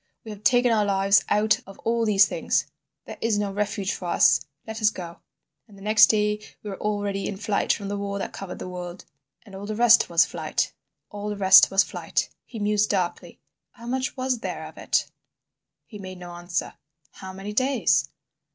We have taken our lives out of all these things. This is no refuge for us. Let us go.' "And the next day we were already in flight from the war that covered the world. "And all the rest was Flight—all the rest was Flight." He mused darkly. "How much was there of it?" He made no answer. "How many days?"